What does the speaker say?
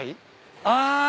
あ。